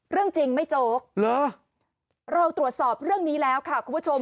เรื่องจริงไม่โจ๊กเหรอเราตรวจสอบเรื่องนี้แล้วค่ะคุณผู้ชม